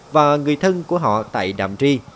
và người thân của họ tại đạm tri